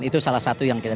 itu salah satu yang kita